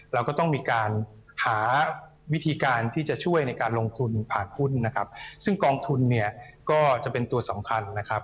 เราก็ต้องมีการหาวิธีการที่จะช่วยในการลงทุนผ่าหุ้นนะครับซึ่งกองทุนเนี่ยก็จะเป็นตัวสำคัญนะครับ